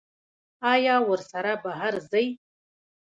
ایا ورسره بهر ځئ؟